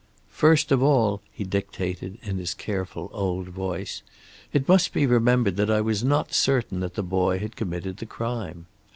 "First of all," he dictated, in his careful old voice, "it must be remembered that I was not certain that the boy had committed the crime.